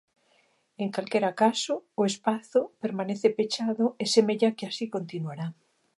En calquera caso, o espazo permanece pechado e semella que así continuará.